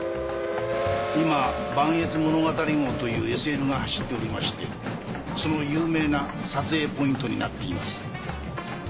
今「ばんえつ物語号」というＳＬが走っておりましてその有名な撮影ポイントになっています。